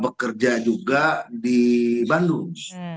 bekerja juga di bandung